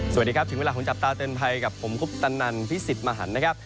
สวัสดีครับชิ้นเวลาของจับตาเติมไทยกับผมคริกตั่นัลพี่สิพิษฐ์มหันธ์นะครับ